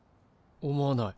思わない。